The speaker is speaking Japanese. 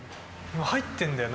今入ってんだよ